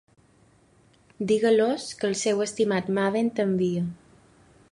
Digues-los que el seu estimat "Maven" t'envia.